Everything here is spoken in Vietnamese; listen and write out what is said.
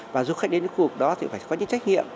và du khách đến những khu vực đó thì phải có những trách nhiệm